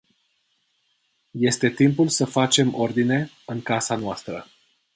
Este timpul să facem ordine în casa noastră.